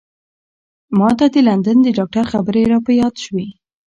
ما ته د لندن د ډاکتر خبرې را په یاد شوې.